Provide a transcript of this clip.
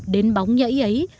đến bóng nhẫy ấy